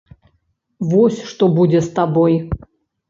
Вось што будзе з табой.